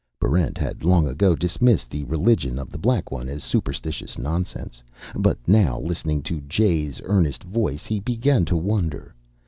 Barrent had long ago dismissed the religion of The Black One as superstitious nonsense. But now, listening to Jay's earnest voice, he began to wonder.